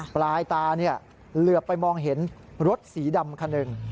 ปลายตาเหลือไปมองเห็นรถสีดำคันหนึ่ง